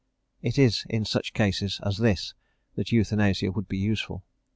It is in such cases as this that euthanasia would be useful.